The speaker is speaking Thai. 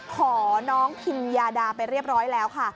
ขอน้องพิมยาดาไปเรียบร้อยแล้วค่ะ